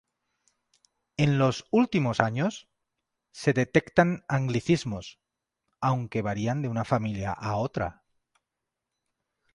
En los últimos años, se detectan anglicismos, aunque varían de una familia a otra.